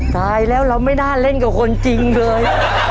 ตายแล้วเราไม่น่าเล่นกับคนจริงเลย